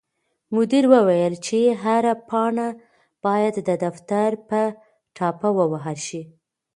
مدیر وویل چې هره پاڼه باید د دفتر په ټاپه ووهل شي.